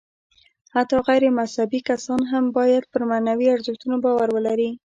حتی غیر مذهبي کسان هم باید پر معنوي ارزښتونو باور ولري.